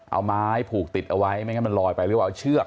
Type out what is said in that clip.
เอาไม้ผูกติดเอาไว้ไม่งั้นมันลอยไปหรือเปล่าเอาเชือก